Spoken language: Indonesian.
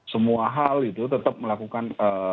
semua hal itu tetap melakukan